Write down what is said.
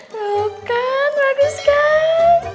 tuh kan bagus kan